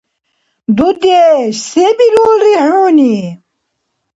Дудеш, се бирулри хӏуни?